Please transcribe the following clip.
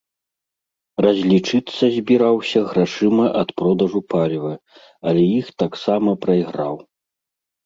Разлічыцца збіраўся грашыма ад продажу паліва, але іх таксама прайграў.